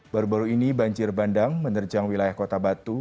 baru baru ini banjir bandang menerjang wilayah kota batu